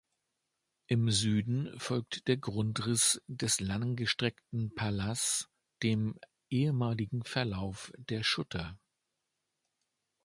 Im Süden folgt der Grundriss des langgestreckten Palas dem ehemaligen Verlauf der Schutter.